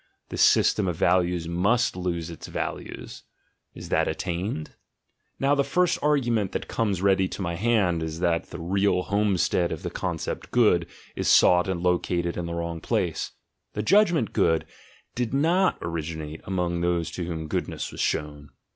this system of values must lose its values: is that attained? Xow the first argument that comes read} to my hand is that the real homestead of the concept "good" is sought and located in the wrong place: the judgment "good" did riot originate among those to whom goodness was shown.